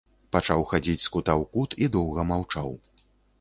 Пачаў хадзіць з кута ў кут і доўга маўчаў.